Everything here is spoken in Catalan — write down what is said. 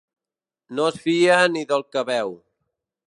No es fia ni del que veu.